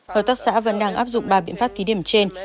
hợp tác xã vẫn đang áp dụng ba biện pháp ký điểm trên